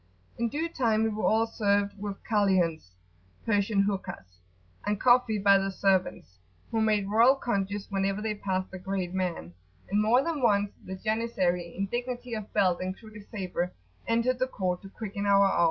In due time we were all served with Kaliuns[FN#26] (Persian hookahs) and coffee by the servants, who made royal conges whenever they passed the great man; and more than once the janissary, in dignity of belt and crooked sabre, entered the court to quicken our awe.